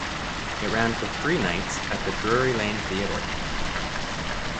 It ran for three nights at the Drury Lane Theatre.